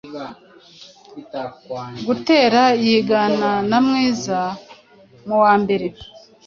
Gatera yigana na Mwiza muwambere